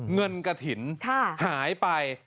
เงินกฐินหายไป